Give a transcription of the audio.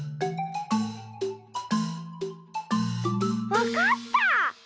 わかった！